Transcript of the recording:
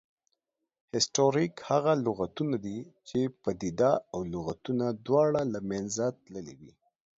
هسټوریک هغه لغتونه دي، چې پدیده او لغتونه دواړه له منځه تللې وي